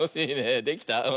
できた？